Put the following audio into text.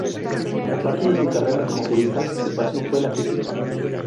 Aparte de su carrera como jurista, su pasión fue la física.